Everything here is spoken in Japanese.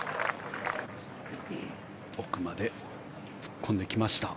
奥まで突っ込んできました。